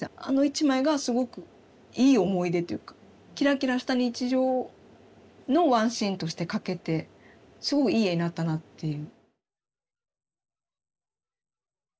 あの一枚がすごくいい思い出というかキラキラした日常のワンシーンとして描けてすごいいい絵になったなっていう。